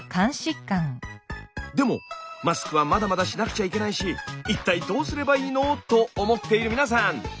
でもマスクはまだまだしなくちゃいけないし一体どうすればいいの？と思っている皆さん！